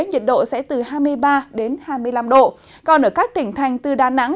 nhiệt độ sẽ từ hai mươi ba hai mươi năm độ còn ở các tỉnh thành từ đà nẵng